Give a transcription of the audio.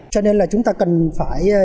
cho nên là chúng ta cần phải